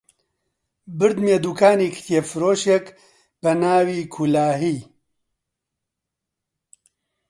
بردمیە دووکانی کتێبفرۆشێک بە ناوی کولاهی